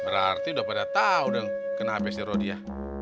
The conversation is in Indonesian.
berarti udah pada tau dong kenapa si rodia